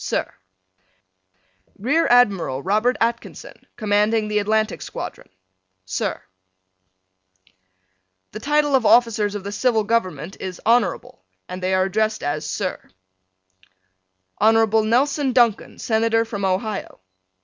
Sir: Rear Admiral Robert Atkinson, Commanding the Atlantic Squadron. Sir: The title of officers of the Civil Government is Honorable and they are addressed as Sir. Hon. Nelson Duncan, Senator from Ohio.